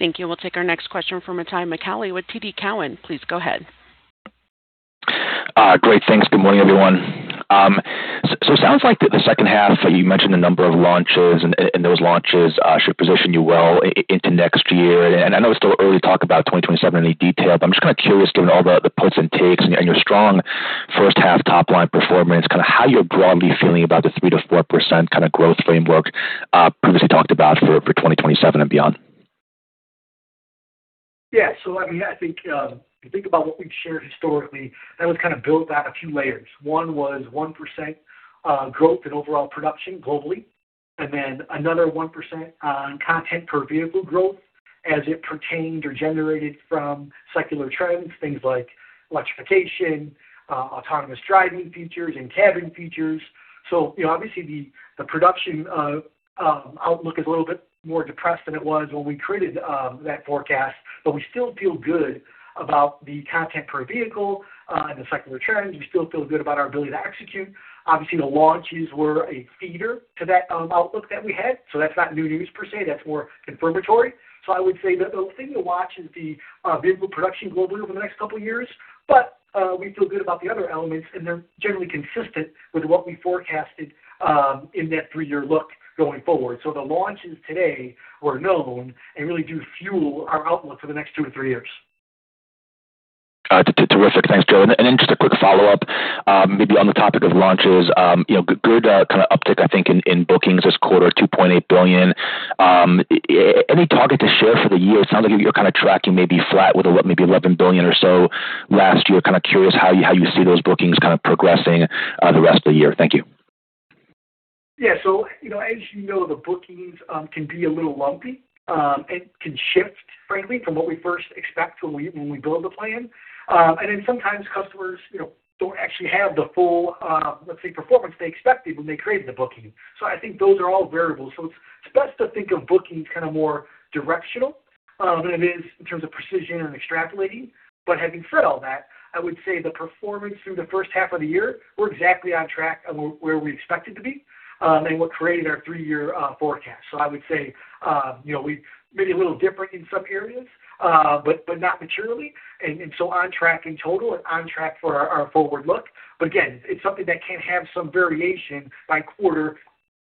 Thank you. We'll take our next question from Itay Michaeli with TD Cowen. Please go ahead. Great, thanks. Good morning, everyone. It sounds like the second half, you mentioned a number of launches, and those launches should position you well into next year. I know it's still early to talk about 2027 in any detail, but I'm just kind of curious, given all the puts and takes and your strong first half top-line performance, how you're broadly feeling about the 3%-4% kind of growth framework previously talked about for 2027 and beyond. Yeah. I think about what we've shared historically, that was kind of built out a few layers. One was 1% growth in overall production globally, and then another 1% on content per vehicle growth as it pertained or generated from secular trends, things like electrification, autonomous driving features and cabin features. Obviously the production outlook is a little bit more depressed than it was when we created that forecast, but we still feel good about the content per vehicle and the secular trends. We still feel good about our ability to execute. Obviously, the launches were a feeder to that outlook that we had, that's not new news per se. That's more confirmatory. I would say the thing to watch is the vehicle production globally over the next couple of years. We feel good about the other elements, and they're generally consistent with what we forecasted in that three-year look going forward. The launches today were known and really do fuel our outlook for the next two to three years. Terrific. Thanks, Joe. Just a quick follow-up, maybe on the topic of launches. Good kind of uptick, I think, in bookings this quarter, $2.8 billion. Any target to share for the year? It sounds like you're kind of tracking maybe flat with maybe $11 billion or so last year. Kind of curious how you see those bookings kind of progressing the rest of the year. Thank you. As you know, the bookings can be a little lumpy and can shift, frankly, from what we first expect when we build the plan. Sometimes customers don't actually have the full, let's say, performance they expected when they created the booking. I think those are all variables. It's best to think of bookings kind of more directional than it is in terms of precision and extrapolating. Having said all that, I would say the performance through the first half of the year, we're exactly on track of where we expected to be and what created our three-year forecast. I would say we may be a little different in some areas, but not materially. On track in total and on track for our forward look. Again, it's something that can have some variation by quarter.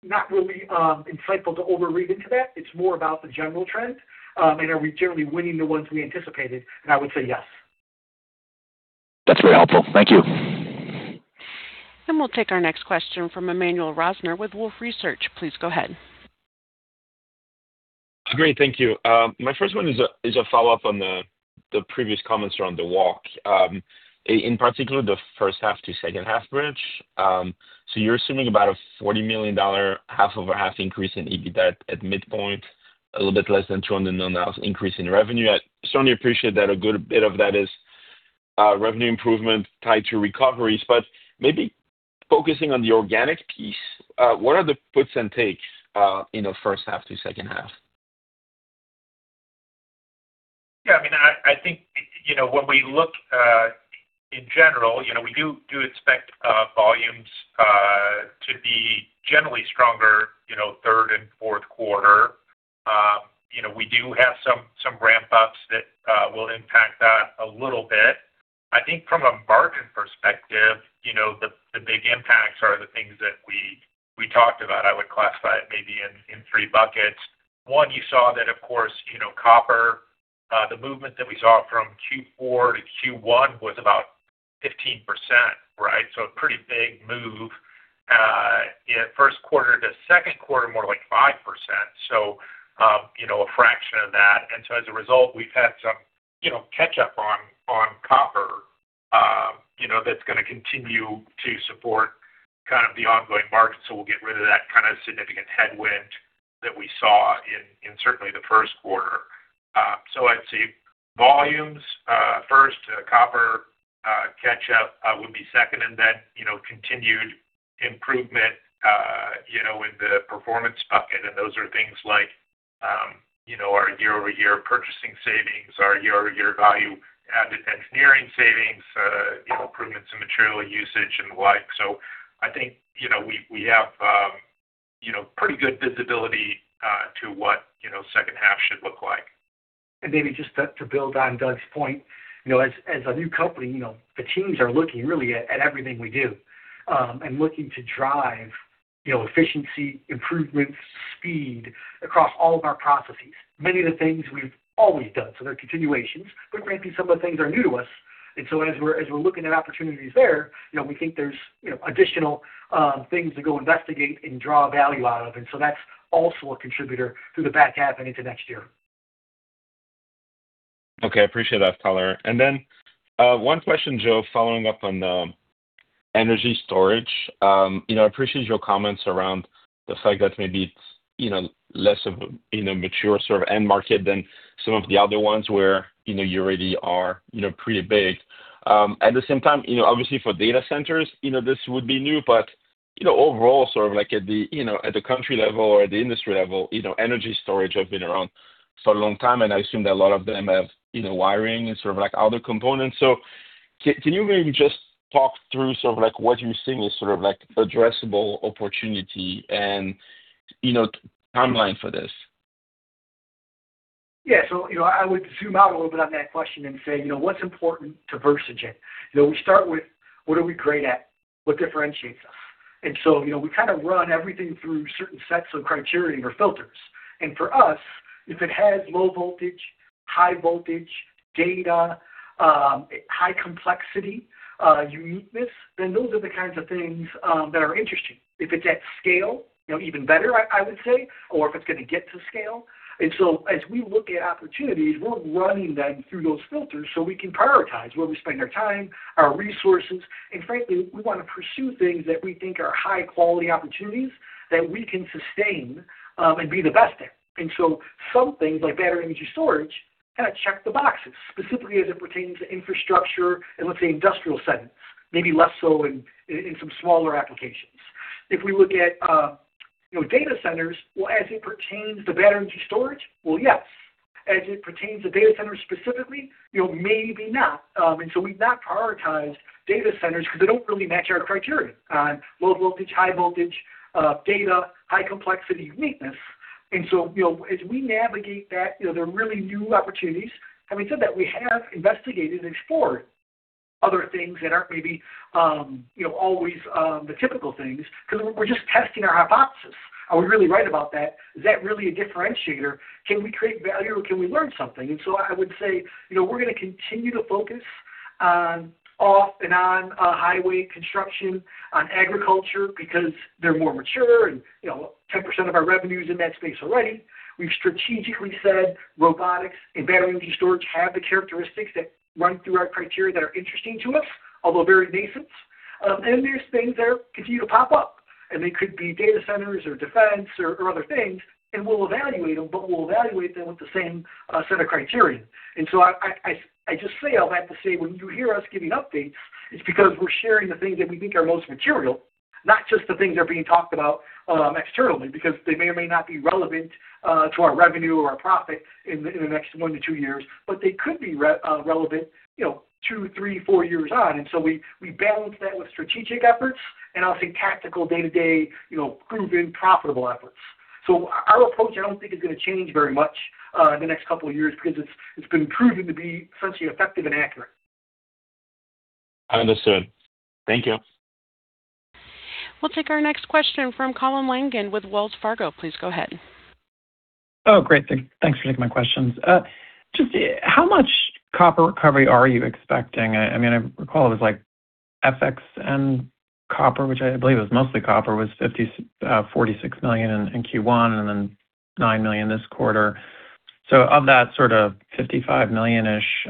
Not really insightful to overread into that. It's more about the general trend and are we generally winning the ones we anticipated, and I would say yes. That's very helpful. Thank you. We'll take our next question from Emmanuel Rosner with Wolfe Research. Please go ahead. Great. Thank you. My first one is a follow-up on the previous comments around the walk, in particular the first half to second half bridge. You're assuming about a $40 million half-over-half increase in EBIT at midpoint, a little bit less than $200 million of increase in revenue. I certainly appreciate that a good bit of that is revenue improvement tied to recoveries. Maybe focusing on the organic piece, what are the puts and takes in the first half to second half? I think when we look in general, we do expect volumes to be generally stronger third and fourth quarter. We do have some ramp-ups that will impact that a little bit. I think from a margin perspective, the big impacts are the things that we talked about. I would classify it maybe in three buckets. One, you saw that, of course, copper, the movement that we saw from Q4 to Q1 was about 15%, right? A pretty big move. First quarter to second quarter, more like 5%. A fraction of that. As a result, we've had some catch up on copper that's going to continue to support kind of the ongoing market. We'll get rid of that kind of significant headwind that we saw in certainly the first quarter. I'd say volumes first, copper catch up would be second, then continued improvement in the performance bucket. Those are things like our year-over-year purchasing savings, our year-over-year value-added engineering savings, improvements in material usage and the like. I think we have pretty good visibility to what second half should look like. Maybe just to build on Doug's point, as a new company the teams are looking really at everything we do and looking to drive efficiency improvements, speed across all of our processes. Many of the things we've always done, so they're continuations, but frankly, some of the things are new to us. As we're looking at opportunities there, we think there's additional things to go investigate and draw value out of. That's also a contributor through the back half and into next year. Okay, appreciate that, colour. One question, Joe, following up on energy storage. I appreciate your comments around the fact that maybe it's less of a mature sort of end market than some of the other ones where you already are pretty big. At the same time, obviously, for data centers, this would be new, but overall, sort of at the country level or at the industry level, energy storage have been around for a long time, and I assume that a lot of them have wiring and sort of other components. Can you maybe just talk through sort of what you're seeing as sort of addressable opportunity and timeline for this? Yeah. I would zoom out a little bit on that question and say, what's important to Versigent? We start with what are we great at? What differentiates us? We kind of run everything through certain sets of criteria or filters. For us, if it has low voltage, high voltage, data, high complexity, uniqueness, then those are the kinds of things that are interesting. If it's at scale, even better, I would say, or if it's going to get to scale. As we look at opportunities, we're running them through those filters so we can prioritize where we spend our time, our resources. Frankly, we want to pursue things that we think are high-quality opportunities that we can sustain and be the best at. Some things like battery energy storage kind of check the boxes, specifically as it pertains to infrastructure and, let's say, industrial settings, maybe less so in some smaller applications. If we look at data centers, well, as it pertains to battery energy storage, well, yes. As it pertains to data centers specifically, maybe not. We've not prioritized data centers because they don't really match our criteria on low voltage, high voltage, data, high complexity, uniqueness. As we navigate that, there are really new opportunities. Having said that, we have investigated and explored other things that aren't maybe always the typical things, because we're just testing our hypothesis. Are we really right about that? Is that really a differentiator? Can we create value or can we learn something? I would say, we're going to continue to focus on off-and-on highway construction, on agriculture, because they're more mature and 10% of our revenue's in that space already. We've strategically said robotics and battery energy storage have the characteristics that run through our criteria that are interesting to us, although very nascent. There's things that continue to pop up, and they could be data centers or defense or other things, and we'll evaluate them, but we'll evaluate them with the same set of criteria. I just say all that to say, when you hear us giving updates, it's because we're sharing the things that we think are most material, not just the things that are being talked about externally. They may or may not be relevant to our revenue or our profit in the next one to two years, but they could be relevant two, three, four years on. We balance that with strategic efforts and I'll say tactical day-to-day, proven profitable efforts. Our approach, I don't think, is going to change very much in the next couple of years because it's been proven to be essentially effective and accurate. Understood. Thank you. We'll take our next question from Colin Langan with Wells Fargo. Please go ahead. Great. Thanks for taking my questions. Just how much copper recovery are you expecting? I recall it was like FX and copper, which I believe was mostly copper, was $46 million in Q1 and then $9 million this quarter. Of that sort of $55 million-ish,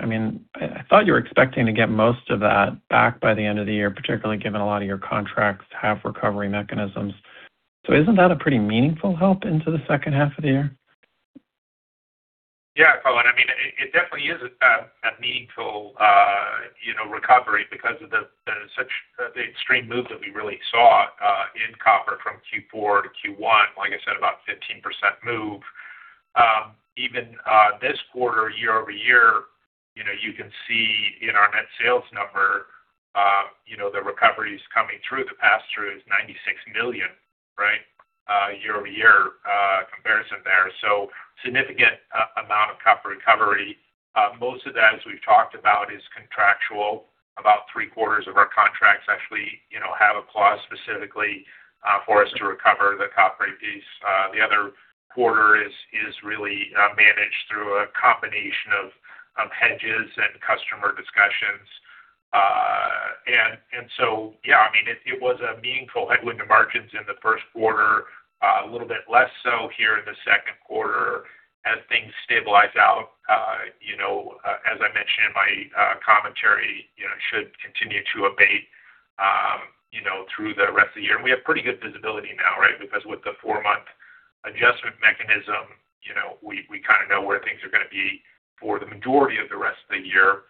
I thought you were expecting to get most of that back by the end of the year, particularly given a lot of your contracts have recovery mechanisms. Isn't that a pretty meaningful help into the second half of the year? Yeah, Colin, it definitely is a meaningful recovery because of the extreme move that we really saw in copper from Q4 to Q1, like I said, about a 15% move. Even this quarter, year-over-year, you can see in our net sales number the recovery's coming through. The passthrough is $96 million, year-over-year comparison there. Significant amount of copper recovery. Most of that, as we've talked about, is contractual. About three-quarters of our contracts actually have a clause specifically for us to recover the copper piece. The other quarter is really managed through a combination of hedges and customer discussions. Yeah, it was a meaningful headwind to margins in the first quarter. A little bit less so here in the second quarter. As things stabilize out, as I mentioned in my commentary, should continue to abate through the rest of the year. We have pretty good visibility now, right? Because with the four-month adjustment mechanism, we kind of know where things are going to be for the majority of the rest of the year.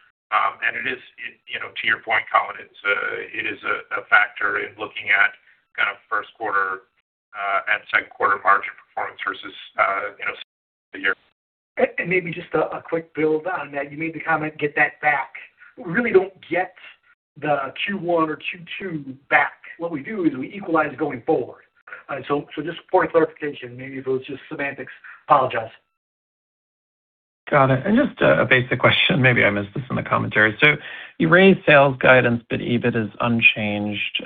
It is, to your point, Colin, it is a factor in looking at kind of first quarter and second quarter margin performance versus the year. Maybe just a quick build on that. You made the comment, get that back. We really don't get the Q1 or Q2 back. What we do is we equalize going forward. Just for clarification, maybe if it was just semantics. Apologize. Got it. Just a basic question. Maybe I missed this in the commentary. You raised sales guidance, but EBIT is unchanged.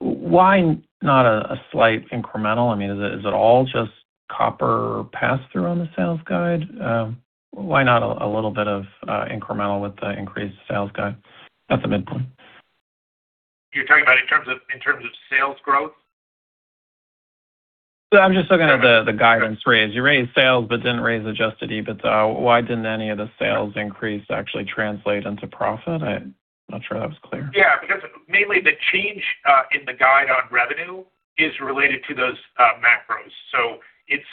Why not a slight incremental? Is it all just copper passthrough on the sales guide? Why not a little bit of incremental with the increased sales guide at the midpoint? Sales growth? I'm just looking at the guidance raise. You raised sales but didn't raise adjusted EBITDA. Why didn't any of the sales increase actually translate into profit? I'm not sure that was clear. Yeah. Because mainly the change in the guide on revenue is related to those macros. It's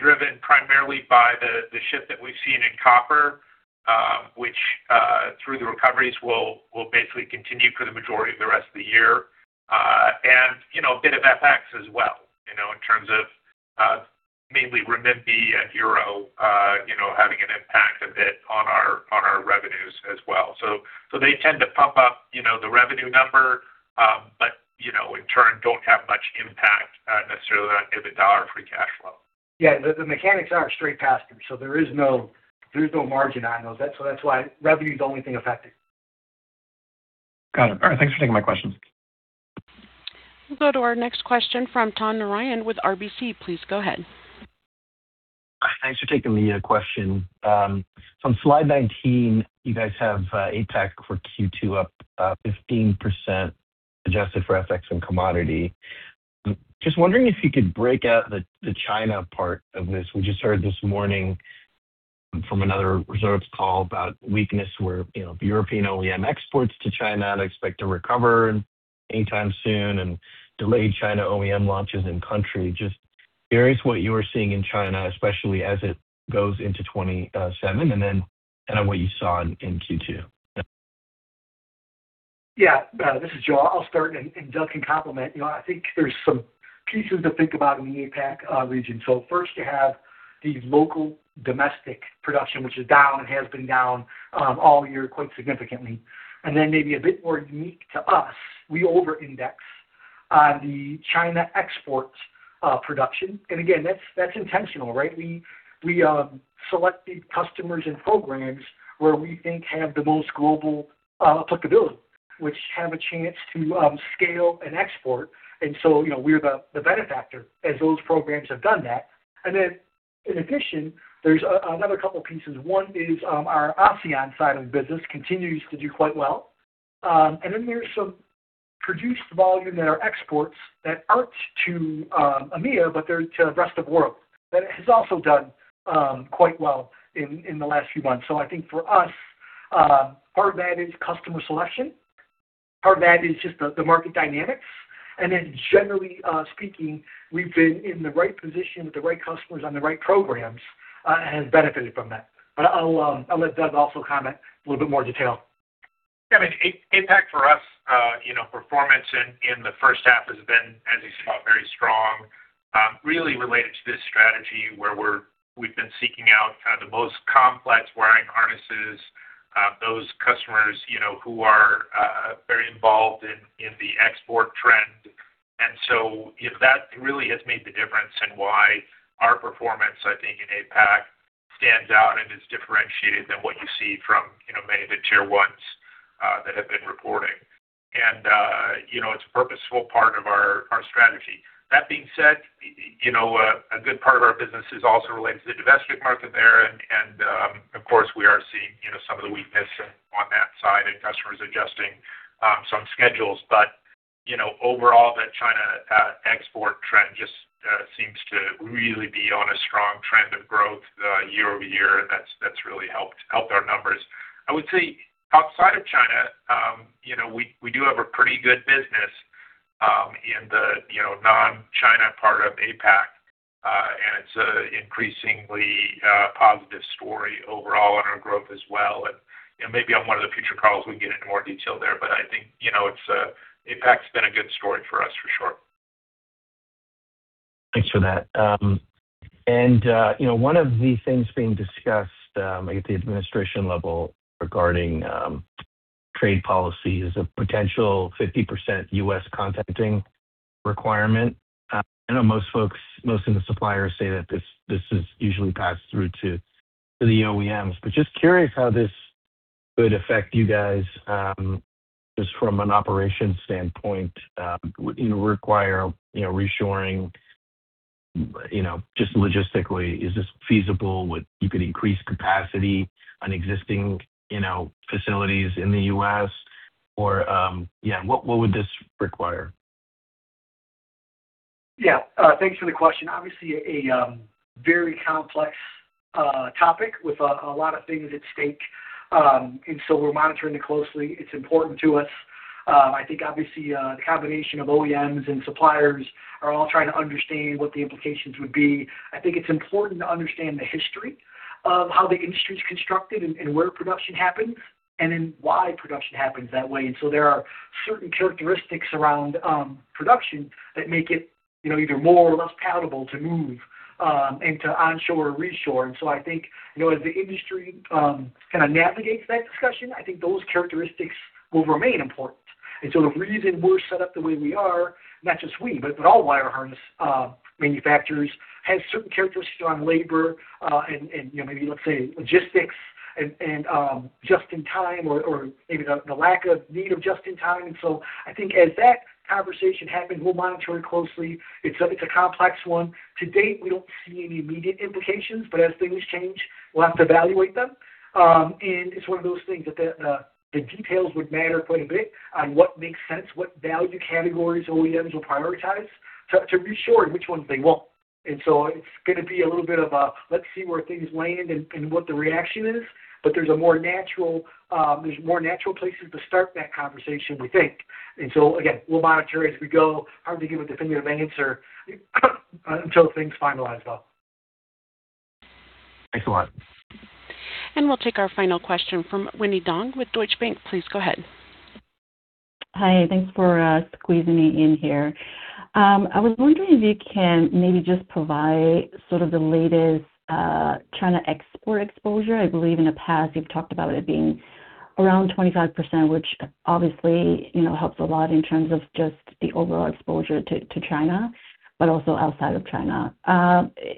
driven primarily by the shift that we've seen in copper, which through the recoveries will basically continue for the majority of the rest of the year. A bit of FX as well, in terms of mainly renminbi and euro having an impact a bit on our revenues as well. They tend to pop up the revenue number, but in turn don't have much impact necessarily on EBITDA or free cash flow. Yeah. The mechanics are straight pass through, there's no margin on those. That's why revenue's the only thing affected. Got it. All right. Thanks for taking my questions. We'll go to our next question from Tom Narayan with RBC. Please go ahead. Thanks for taking the question. On slide 19, you guys have APAC for Q2 up 15%, adjusted for FX and commodity. Just wondering if you could break out the China part of this. We just heard this morning from another reserves call about weakness where European OEM exports to China don't expect to recover anytime soon, and delayed China OEM launches in country. Just curious what you are seeing in China, especially as it goes into 2027, and then what you saw in Q2. Yeah. This is Joe. I'll start and Doug can complement. I think there's some pieces to think about in the APAC region. First you have the local domestic production, which is down and has been down all year quite significantly. Maybe a bit more unique to us, we over-index on the China export production. Again, that's intentional, right? We select the customers and programs where we think have the most global applicability, which have a chance to scale and export. We're the benefactor as those programs have done that. In addition, there's another couple of pieces. One is our ASEAN side of the business continues to do quite well. There's some produced volume that are exports that aren't to EMEA, but they're to rest of world. That has also done quite well in the last few months. I think for us, part of that is customer selection, part of that is just the market dynamics. Generally speaking, we've been in the right position with the right customers on the right programs, and have benefited from that. I'll let Doug also comment a little bit more detail. I mean, APAC for us, performance in the first half has been, as you saw, very strong, really related to this strategy where we've been seeking out kind of the most complex wiring harnesses, those customers who are very involved in the export trend. That really has made the difference in why our performance, I think in APAC stands out and is differentiated than what you see from many of the tier ones that have been reporting. It's a purposeful part of our strategy. That being said, a good part of our business is also related to the domestic market there, and of course, we are seeing some of the weakness on that side and customers adjusting some schedules. Overall, the China export trend just seems to really be on a strong trend of growth year-over-year, and that's really helped our numbers. I would say outside of China, we do have a pretty good business in the non-China part of APAC. It's an increasingly positive story overall on our growth as well. Maybe on one of the future calls, we can get into more detail there. I think APAC's been a good story for us for sure. Thanks for that. One of the things being discussed at the administration level regarding trade policy is a potential 50% U.S. contenting requirement. I know most folks, most of the suppliers say that this is usually passed through to the OEMs. Just curious how this could affect you guys, just from an operations standpoint, would require reshoring. Just logistically, is this feasible? You could increase capacity on existing facilities in the U.S. or what would this require? Yeah. Thanks for the question. Obviously a very complex topic with a lot of things at stake, we're monitoring it closely. It's important to us. I think obviously, the combination of OEMs and suppliers are all trying to understand what the implications would be. I think it's important to understand the history of how the industry is constructed and where production happens, and then why production happens that way. There are certain characteristics around production that make it either more or less palatable to move into onshore or reshore. I think as the industry kind of navigates that discussion, I think those characteristics will remain important. The reason we're set up the way we are, not just we, but all wire harness manufacturers, has certain characteristics around labor, and maybe let's say logistics and just-in-time or maybe the lack of need of just-in-time. I think as that conversation happens, we'll monitor it closely. It's a complex one. To date, we don't see any immediate implications, but as things change, we'll have to evaluate them. It's one of those things that the details would matter quite a bit on what makes sense, what value categories OEMs will prioritize to reshore and which ones they won't. It's going to be a little bit of a let's see where things land and what the reaction is. There's more natural places to start that conversation, we think. Again, we'll monitor as we go. Hard to give a definitive answer until things finalize, though. Thanks a lot. We'll take our final question from Winnie Dong with Deutsche Bank. Please go ahead. Hi. Thanks for squeezing me in here. I was wondering if you can maybe just provide sort of the latest China export exposure. I believe in the past you've talked about it being around 25%, which obviously helps a lot in terms of just the overall exposure to China, but also outside of China.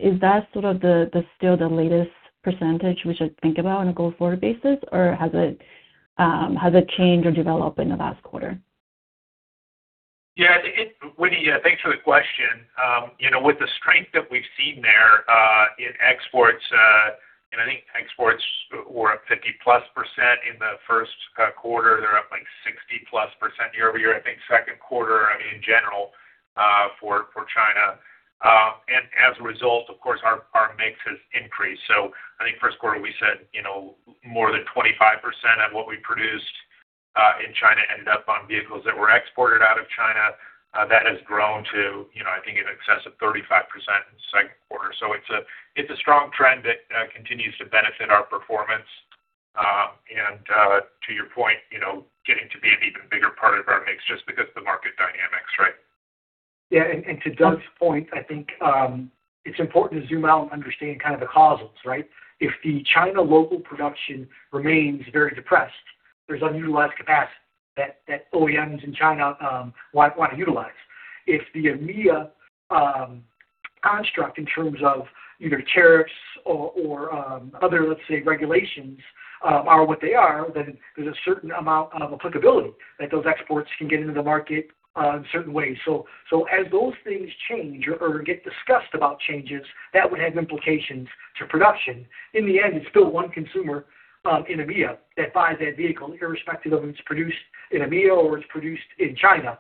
Is that sort of still the latest percentage we should think about on a go-forward basis, or has it changed or developed in the last quarter? Winnie, thanks for the question. With the strength that we've seen there in exports, I think exports were up 50%+ in the first quarter. They're up, like, 60%+ year-over-year, I think second quarter in general for China. As a result, of course, our mix has increased. I think first quarter we said more than 25% of what we produced in China ended up on vehicles that were exported out of China. That has grown to, I think, in excess of 35% in the second quarter. It's a strong trend that continues to benefit our performance. To your point, getting to be an even bigger part of our mix just because the market dynamics, right? To Doug's point, I think it's important to zoom out and understand kind of the causals, right? If the China local production remains very depressed, there's unutilized capacity that OEMs in China want to utilize. If the EMEA construct in terms of either tariffs or other, let's say, regulations are what they are, then there's a certain amount of applicability that those exports can get into the market in certain ways. As those things change or get discussed about changes, that would have implications to production. In the end, it's still one consumer in EMEA that buys that vehicle, irrespective of if it's produced in EMEA or it's produced in China.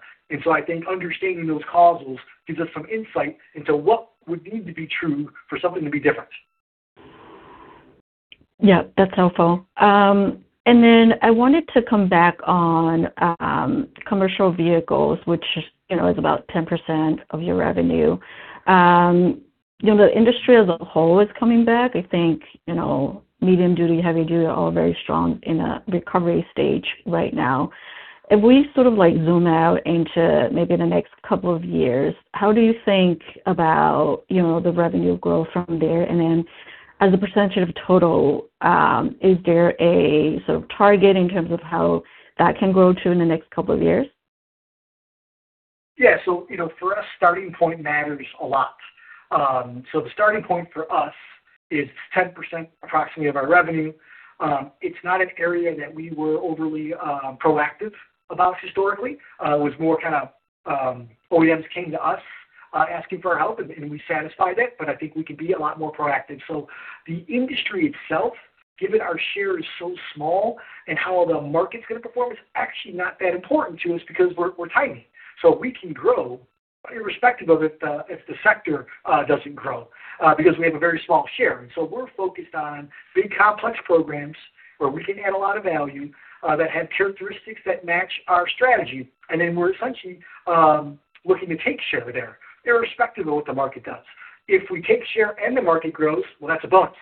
I think understanding those causals gives us some insight into what would need to be true for something to be different. Yeah, that's helpful. I wanted to come back on commercial vehicles, which is about 10% of your revenue. The industry as a whole is coming back. I think medium duty, heavy duty are all very strong in a recovery stage right now. If we sort of zoom out into maybe the next couple of years, how do you think about the revenue growth from there? As a percentage of total, is there a sort of target in terms of how that can grow, too, in the next couple of years? Yeah. For us, starting point matters a lot. The starting point for us is 10% approximately of our revenue. It's not an area that we were overly proactive about historically. It was more kind of OEMs came to us asking for help, and we satisfied that. I think we can be a lot more proactive. The industry itself, given our share is so small and how the market's going to perform, is actually not that important to us because we're tiny. We can grow irrespective of if the sector doesn't grow, because we have a very small share. We're focused on big, complex programs where we can add a lot of value that have characteristics that match our strategy. We're essentially looking to take share there irrespective of what the market does. If we take share and the market grows, well, that's a bonus.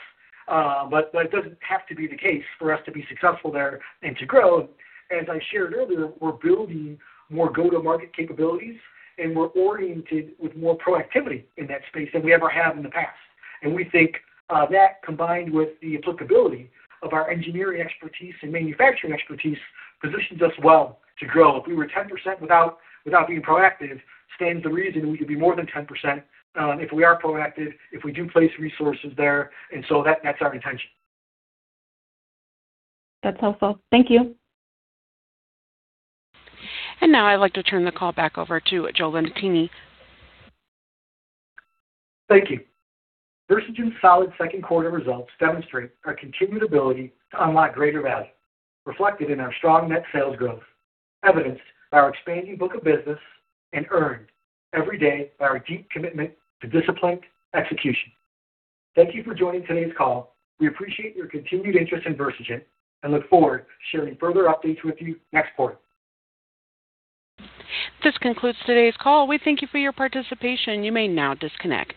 It doesn't have to be the case for us to be successful there and to grow. As I shared earlier, we're building more go-to-market capabilities, and we're oriented with more proactivity in that space than we ever have in the past. We think that, combined with the applicability of our engineering expertise and manufacturing expertise, positions us well to grow. If we were 10% without being proactive, stands to reason we could be more than 10% if we are proactive, if we do place resources there, that's our intention. That's helpful. Thank you. Now I'd like to turn the call back over to Joe Liotine. Thank you. Versigent's solid second quarter results demonstrate our continued ability to unlock greater value reflected in our strong net sales growth, evidenced by our expanding book of business, and earned every day by our deep commitment to disciplined execution. Thank you for joining today's call. We appreciate your continued interest in Versigent and look forward to sharing further updates with you next quarter. This concludes today's call. We thank you for your participation. You may now disconnect.